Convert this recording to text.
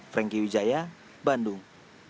franky wijaya bandung